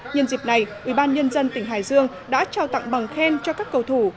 nhân dịp này ubnd tỉnh hải dương đã trao tặng bằng khen cho các cầu thủ